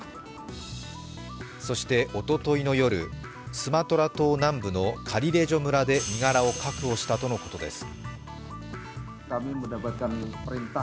そして、おとといの夜、スマトラ島南部のカリレジョ村で身柄を確保したとのことです。